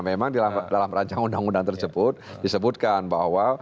memang di dalam rancang undang undang tersebut disebutkan bahwa